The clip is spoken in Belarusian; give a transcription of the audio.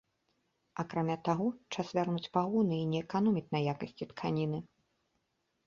Акрамя таго, час вярнуць пагоны і не эканоміць на якасці тканіны.